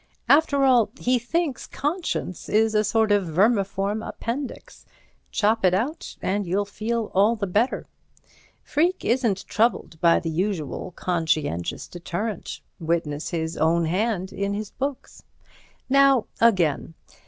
After all, he thinks conscience is a sort of vermiform appendix. Chop it out and you'll feel all the better. Freke isn't troubled by the usual conscientious deterrent. Witness his own hand in his books. Now again.